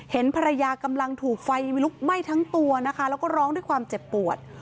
เห็นภรรยากำลังถูกไฟลุกไหม้ทั้งตัวนะคะแล้วก็ร้องด้วยความเจ็บปวด